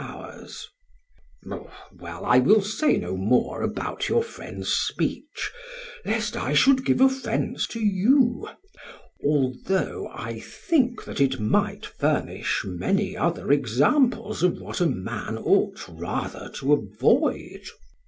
SOCRATES: Well, I will say no more about your friend's speech lest I should give offence to you; although I think that it might furnish many other examples of what a man ought rather to avoid.